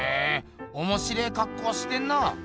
おもしれえかっこしてんな。